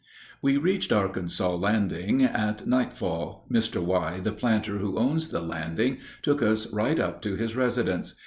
_) We reached Arkansas Landing at nightfall. Mr. Y., the planter who owns the landing, took us right up to his residence.